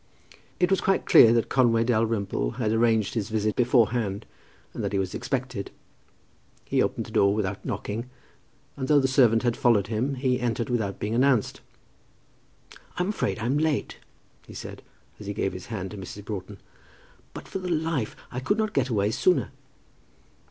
It was quite clear that Conway Dalrymple had arranged his visit beforehand, and that he was expected. He opened the door without knocking, and, though the servant had followed him, he entered without being announced. "I'm afraid I'm late," he said, as he gave his hand to Mrs. Broughton; "but for the life I could not get away sooner."